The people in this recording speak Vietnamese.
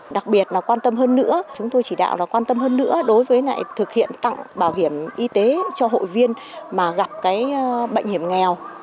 đặc biệt là quan tâm hơn nữa chúng tôi chỉ đạo là quan tâm hơn nữa đối với lại thực hiện tặng bảo hiểm y tế cho hội viên mà gặp cái bệnh hiểm nghèo